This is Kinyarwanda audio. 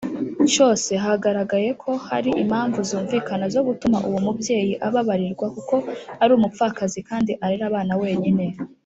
cyose hagaragaye ko hari impamvu zumvikana zo gutuma uwo mubyeyi ababarirwa kuko arumupfakazi kandi arera abana wenyine.